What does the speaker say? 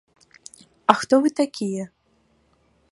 А хто вы такія?